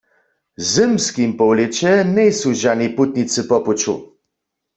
W zymskim połlěće njejsu žani putnicy po puću.